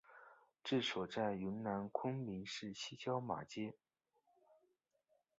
治所在今云南昆明市西郊马街。